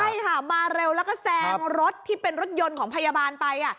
ใช่ค่ะมาเร็วแล้วก็แซงรถที่เป็นรถยนต์ของพยาบาลไป